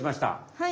はい！